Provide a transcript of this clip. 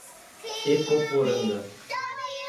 Ecoporanga